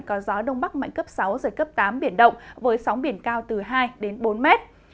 có gió đông bắc mạnh cấp sáu giật cấp tám biển động với sóng biển cao từ hai đến bốn mét